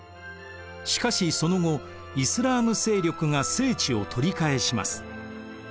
しかしその後イスラーム勢力が聖地を取り返します。